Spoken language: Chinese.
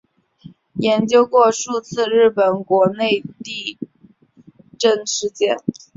研究过数次日本国内地震事件。